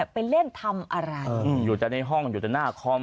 ไปเล่นทำอะไรอยู่แต่ในห้องอยู่แต่หน้าคอม